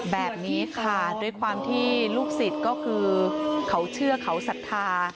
แบบนี้ค่ะด้วยความที่ลูกศิษย์ก็คือเขาเชื่อเขาศรัทธา